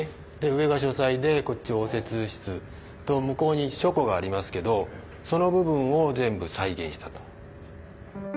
上が書斎でこっち応接室と向こうに書庫がありますけどその部分を全部再現したと。